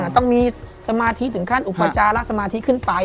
ต้องมีสมาธิถึงขั้นอุปจาระสมาธิขึ้นไป